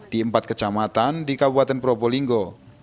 di empat kecamatan di kabupaten probolinggo